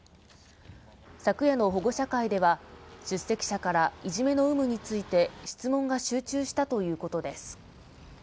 昨夜の保護者会では、出席者からいじめの有無について質問が集中したということです。